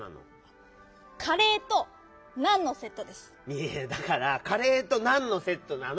いやいやだからカレーと「なんのセット」なの？